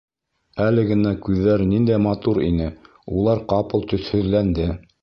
Әле генә күҙҙәре ниндәй матур ине, улар ҡапыл төҫһөҙләнде.